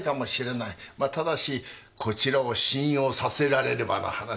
まあただしこちらを信用させられればの話ですがね。